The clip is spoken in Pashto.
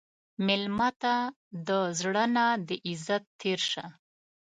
مېلمه ته د زړه نه د عزت تېر شه.